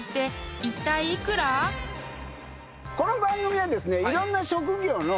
この番組はですねいろんな職業の。